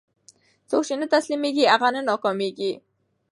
څوک چې نه تسلیمېږي، هغه نه ناکامېږي.